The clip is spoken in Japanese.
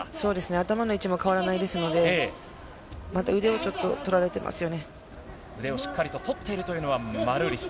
頭の位置も変わらないですので、また腕をちょっと、腕をしっかりと取っているというのはマルーリス。